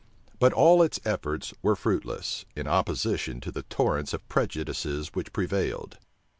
But all its efforts were fruitless, in opposition to the torrent of prejudices which prevailed.